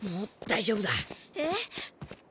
大丈夫だ。